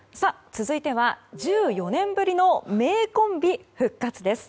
続いては１４年ぶりの名コンビ復活です。